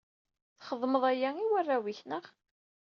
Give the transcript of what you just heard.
Txedmeḍ aya i warraw-ik, naɣ?